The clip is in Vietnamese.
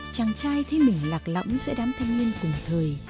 chàng trai thấy mình lạc lõng giữa đám thanh niên cùng thời